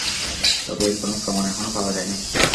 তবে এর কোনো প্রমাণ এখনো পাওয়া যায়নি।